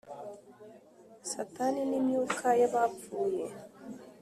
Satanin’ Imyuka y Abapfuye